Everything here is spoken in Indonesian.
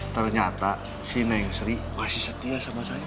ternyata si neng sri masih setia sama saya